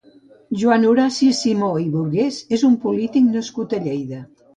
Joan Horaci Simó i Burgués és un polític nascut a Lleida.